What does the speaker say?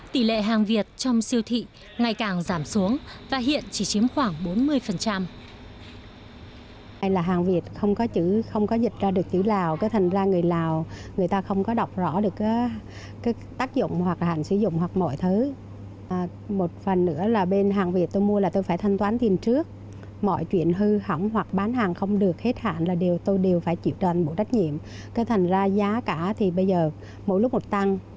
tỷ lệ hàng việt trong siêu thị ngày càng giảm xuống và hiện chỉ chiếm khoảng bốn mươi